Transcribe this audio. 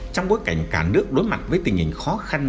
trong bối cảnh cả nước đối mặt với tình hình khó khăn